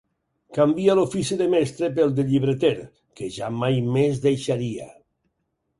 Canvia l'ofici de mestre pel de llibreter, que ja mai més deixaria.